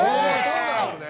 そうなんですね。